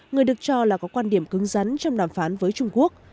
người được cho là có quan điểm cứng rắn trong đàm phán với trung quốc